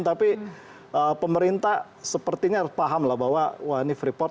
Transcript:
tapi pemerintah sepertinya paham lah bahwa ini freeport